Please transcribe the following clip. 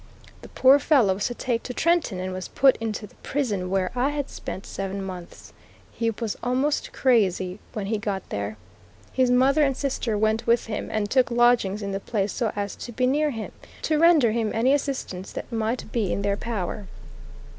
The poor fellow was take to Trenton and was put into the prison where I had spent seven months. He was almost crazy when he got there. His mother and sister went with him, and took lodgings in the place so as to be near him, to render him any assistance that might be in their power.